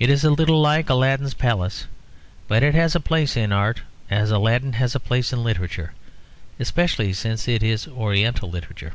It is a little like Aladdin's Palace, but it has a place in art as Aladdin has a place in literature; especially since it is oriental literature.